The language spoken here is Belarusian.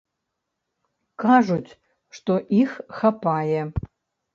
Кажуць, што іх хапае.